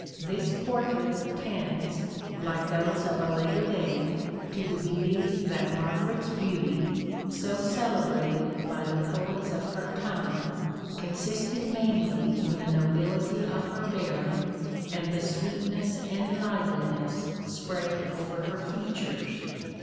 This portrait (1) tends, like those of a later date, to the belief that Margaret's beauty, so celebrated by the poets of her time, consisted mainly in the nobility of her bearing and the sweetness and liveliness spread over her features.